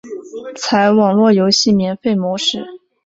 采网路游戏免费模式。